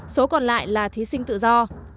số còn lại là thí sinh tự do